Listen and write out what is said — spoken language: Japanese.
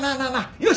よし！